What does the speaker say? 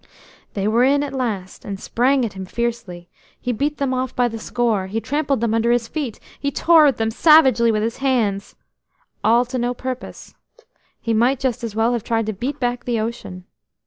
They were in at last, and sprang at him fiercely.... He beat them off by the score; he trampled them under his feet; he tore at them savagely with his hands–all to no purpose; he might just as well have tried to beat back the ocean.